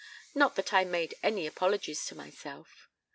Not that I made any apologies to myself.